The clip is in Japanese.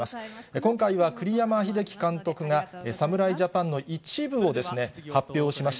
今回は栗山英樹監督が侍ジャパンの一部を発表しました。